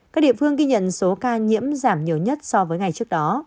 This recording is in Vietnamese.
các địa phương ký nhận số ca nhiễm tăng cao nhất so với ngày trước đó